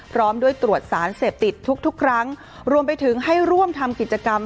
พร้อมด้วยตรวจสารเสพติดทุกทุกครั้งรวมไปถึงให้ร่วมทำกิจกรรม